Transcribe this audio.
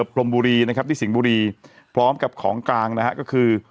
พรมบุรีนะครับที่สิงห์บุรีพร้อมกับของกลางนะฮะก็คือ